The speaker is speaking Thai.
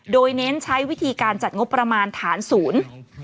โดยเน้นใช้วิธีการจัดงบประมาณฐานศูนย์